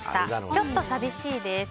ちょっと寂しいです。